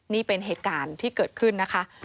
นี่เป็นเหตุการณ์ที่เกิดขึ้นนะคะ